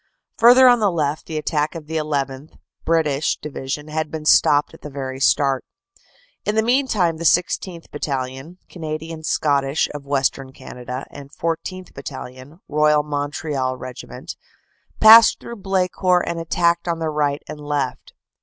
Further on the left the attack of the llth. (British) Division had been stopped at the very start. "In the meantime the 16th. Battalion, Canadian Scottish of Western Canada, and 14th. Battalion, Royal Montreal Regiment, passed through Blecourt and attacked on the right and left.